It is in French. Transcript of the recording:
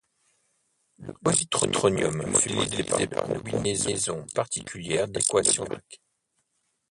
Le positronium fut modélisé par une combinaison particulière d'équations de Dirac.